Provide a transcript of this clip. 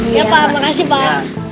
iya pak makasih pak